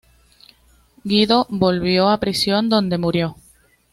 Guido volvió a prisión, donde murió.